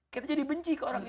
kita jadi benci ke orang ini